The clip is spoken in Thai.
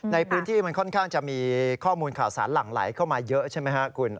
ในพื้นที่มันค่อนข้างจะมีข้อมูลข่าวสารหลั่งไหลเข้ามาเยอะใช่ไหมครับคุณ